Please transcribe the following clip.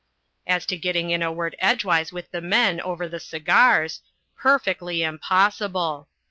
As to getting in a word edgeways with the men over the cigars perfectly impossible!